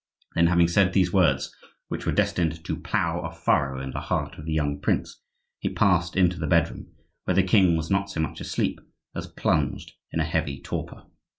Then having said these words, which were destined to plough a furrow in the heart of the young prince, he passed into the bedroom, where the king was not so much asleep as plunged in a heavy torpor.